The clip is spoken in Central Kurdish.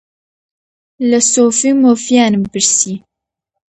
لە سۆفی و مۆفیانم پرسی: